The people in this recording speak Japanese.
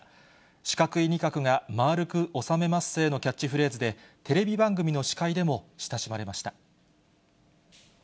四角い仁鶴がまぁーるくおさめまっせのキャッチフレーズで、テレビ番組の司会でも親しまれました。